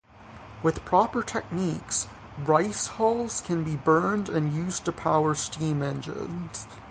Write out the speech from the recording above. With proper techniques, rice hulls can be burned and used to power steam engines.